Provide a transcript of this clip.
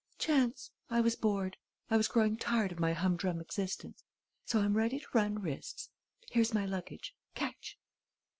"Chance. I was bored. I was growing tired of my humdrum existence. So I'm ready to run risks.... Here's my luggage: catch!"